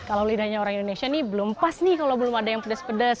kalau lidahnya orang indonesia ini belum pas nih kalau belum ada yang pedas pedas